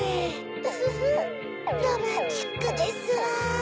ウフフロマンチックですわ。